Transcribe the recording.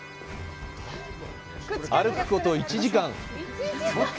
歩くこと１時間。